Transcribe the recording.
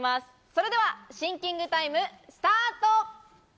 それではシンキングタイムスタート！